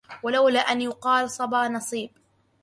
ولولا ان يقال صبا نصيب